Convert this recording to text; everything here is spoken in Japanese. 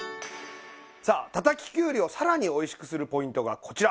さあ叩ききゅうりをさらにおいしくするポイントがこちら！